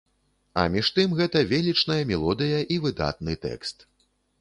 А між тым, гэта велічная мелодыя і выдатны тэкст.